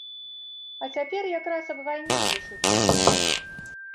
А цяпер якраз аб вайне пішуць.